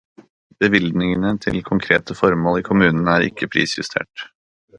Bevilgningene til konkrete formål i kommunene er ikke prisjustert.